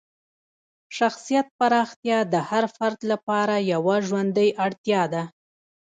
شخصیت پراختیا د هر فرد لپاره یوه ژوندۍ اړتیا ده.